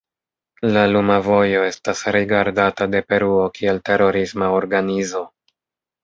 La Luma Vojo estas rigardata de Peruo kiel terorisma organizo.